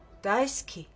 大好き？